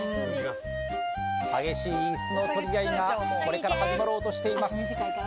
激しい椅子の取り合いがこれから始まろうとしています